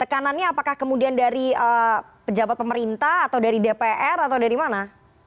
tekanannya apakah kemudian dari pejabat pemerintah atau dari dpr atau dari mana